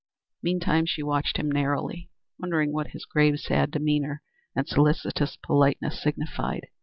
Meantime she watched him narrowly, wondering what his grave, sad demeanor and solicitous politeness signified.